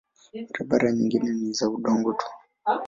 Barabara nyingine ni za udongo tu.